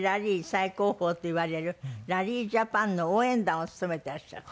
最高峰といわれる「ラリージャパン」の応援団を務めていらっしゃる。